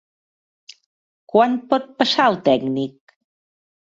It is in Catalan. Quan pot passar el tècnic?